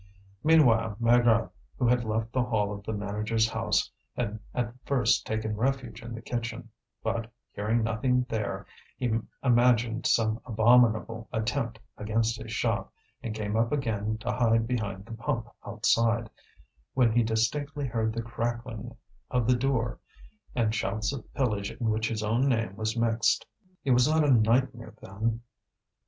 Meanwhile Maigrat, who had left the hall of the manager's house, had at first taken refuge in the kitchen; but, hearing nothing there, he imagined some abominable attempt against his shop, and came up again to hide behind the pump outside, when he distinctly heard the cracking of the door and shouts of pillage in which his own name was mixed. It was not a nightmare, then.